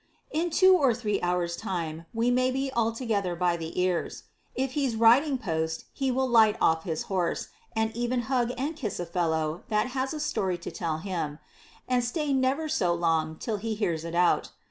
In two or three hours' time we may be altogether by the ears. If he's riding post, he will light off his horse, and even hug and kiss a fellow that has a story to tell him ; and stay never so long, till he hears it out.